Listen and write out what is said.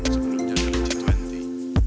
sebelumnya g dua puluh